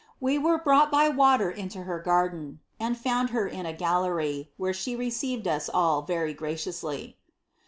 We were brought by water into her garden, and found her in a gallery, where she received us ill very graciously."